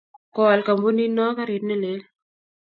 koal Kampunit noo karit ne lel